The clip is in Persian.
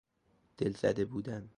دلزده بودن